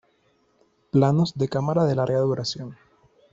Planos de cámara de larga duración.